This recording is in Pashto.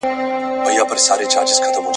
« ګیدړ چي مخ پر ښار ځغلي راغلی یې اجل دی» `